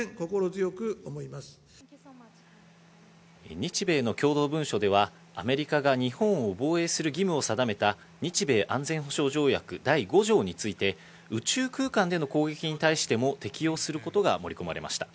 日米の共同文書ではアメリカが日本を防衛する義務を定めた日米安全保障条約第５条について宇宙空間での攻撃に対しても適用することが盛り込まれました。